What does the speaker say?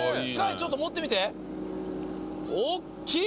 ちょっと持ってみておっきい！